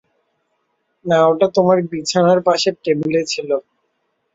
না, ওটা তোমার বিছানার পাশের টেবিলে ছিল।